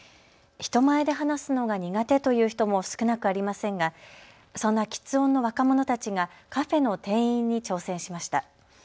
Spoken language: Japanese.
人前で話すのが苦手という人も少なくありませんがそんなきつ音の若者たちがカフェの店員に挑戦しました。